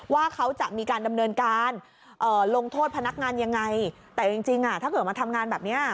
ว่าเขาจะมีการดำเนินการลงโทษพนักงานยังไงแต่จริงจริงอ่ะถ้าเกิดมาทำงานแบบเนี้ย